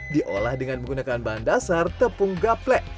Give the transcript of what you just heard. diolah dengan menggunakan bahan dasar tepung gaplek